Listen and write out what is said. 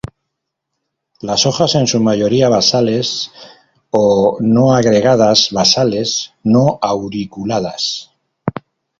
Las hojas en su mayoría basales, o no agregadas, basales; no auriculadas.